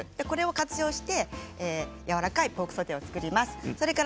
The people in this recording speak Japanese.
これを活用してやわらかいポークソテーを作ります。